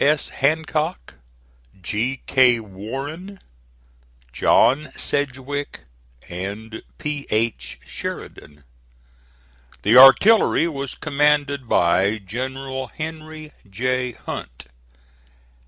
S. Hancock, G. K. Warren, (*27) John Sedgwick and P. H. Sheridan. The artillery was commanded by General Henry J. Hunt.